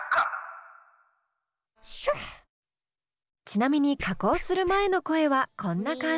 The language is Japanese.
ちなみに加工する前の声はこんな感じ。